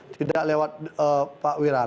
tidak lewat pak wiranto